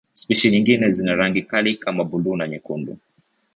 Spishi nyingine zina rangi kali kama buluu na nyekundu.